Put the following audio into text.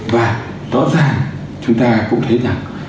và rõ ràng chúng ta cũng thấy rằng